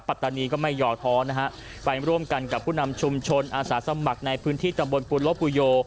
ปัตตานีก็ไม่ย่อท้อนะฮะไปร่วมกันกับผู้นำชุมชนอาสาสมัครในพื้นที่ตำบลปุโลปูโย